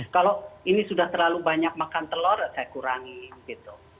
kalau ini sudah terlalu banyak makan telur saya kurangi